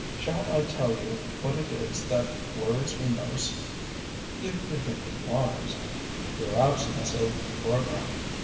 Shall I tell you what it is that worries me most?" "If you think it wise." "Your absence of programme.